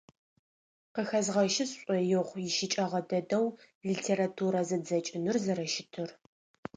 Къыхэзгъэщы сшӏоигъу ищыкӏэгъэ дэдэу литературэ зэдзэкӏыныр зэрэщытыр.